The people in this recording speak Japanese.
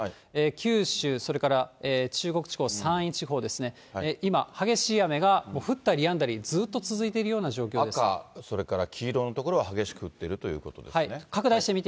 九州、それから中国地方、山陰地方ですね、今、激しい雨が降ったりやんだり、赤、それから黄色の所は激しく降っているということですね。